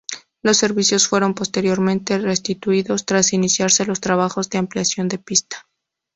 Los servicios fueron posteriormente restituidos tras iniciarse los trabajos de ampliación de pista.